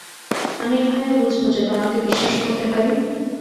আমি কিভাবে বুঝবো যে তোমাকে বিশ্বাস করতে পারি?